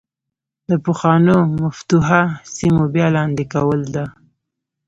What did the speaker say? د پخوانو مفتوحه سیمو بیا لاندې کول ده.